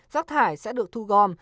rắc thải sẽ được thu gom